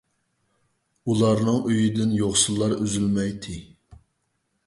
ئۇلارنىڭ ئۆيىدىن يوقسۇللار ئۈزۈلمەيتتى.